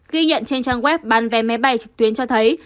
ghi nhận trên trang web bán vé máy bay trực tuyến cho thấy